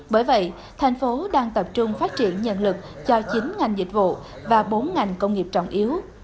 bởi vậy thành phố đang tập trung phát triển nhân lực cho chín ngành dịch vụ và bốn ngành công nghiệp trọng yếu